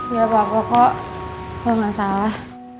gak apa apa kok gue gak salah